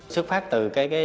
xuất phát từ